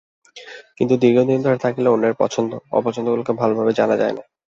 কিন্তু দীর্ঘদিন দূরে থাকলে অন্যের পছন্দ, অপছন্দগুলো ভালোভাবে জানা যায় না।